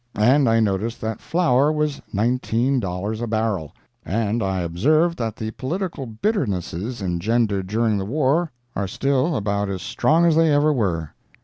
And I noticed that flour was nineteen dollars a barrel. And I observed that the political bitternesses engendered during the war are still about as strong as they ever were.